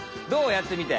やってみて。